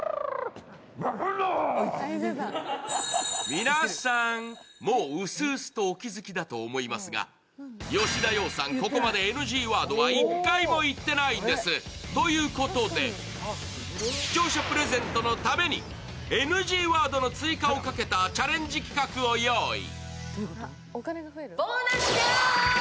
皆さん、もう薄々とお気付きだと思いますが、吉田羊さん、ここまでＮＧワード１回も言ってないんです。ということで視聴者プレゼントのためにＮＧワードの追加をかけたチャレンジ企画を用意。